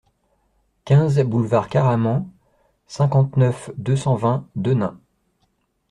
quinze boulevard Caraman, cinquante-neuf, deux cent vingt, Denain